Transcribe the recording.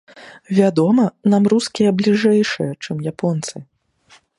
Вядома, нам рускія бліжэйшыя, чым японцы.